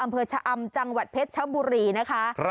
อำเภอชะอำจังหวัดเพชรชบุรีนะคะ